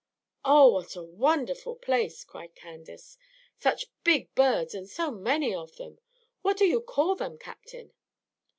"Oh, what a wonderful place!" cried Candace. "Such big birds, and so many of them, what do you call them, Captain?"